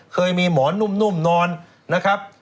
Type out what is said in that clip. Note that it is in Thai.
เคยมีหมอนุ่มนอนนะครับ